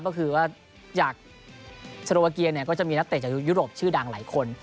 ก็คือว่าจากสโลวาเกียเนี่ยก็จะมีนักเตะจากยุโรปชื่อดังหลายคน